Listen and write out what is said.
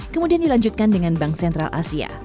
kemudian dilanjutkan dengan bank sentral asia